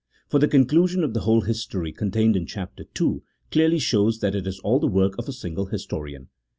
For the conclusion of the whole history contained in chap. ii. clearly shows that it is all the work of a single historian.